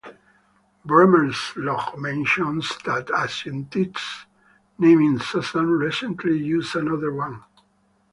Bremmer's log mentions that a scientist named Susan recently used another one.